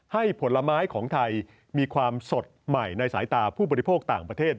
ผลไม้ของไทยมีความสดใหม่ในสายตาผู้บริโภคต่างประเทศ